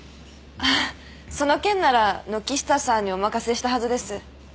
あっその件なら軒下さんにお任せしたはずです。